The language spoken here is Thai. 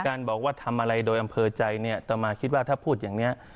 บอกว่าทำอะไรโดยอำเภอใจเนี่ยต่อมาคิดว่าถ้าพูดอย่างนี้